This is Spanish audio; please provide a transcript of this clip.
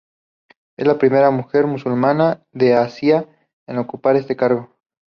Es la la primera mujer musulmana de Asia en ocupar este cargo.